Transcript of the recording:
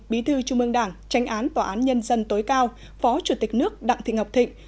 bí thư trung ương đảng tránh án tòa án nhân dân tối cao phó chủ tịch nước đặng thị ngọc thịnh